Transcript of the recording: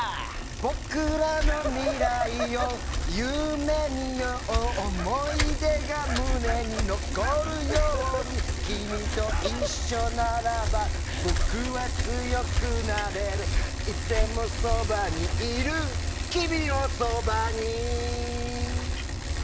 僕らの未来を夢見よう思い出が胸に残るように君と一緒ならば僕は強くなれるいつでもそばにいる君の傍に。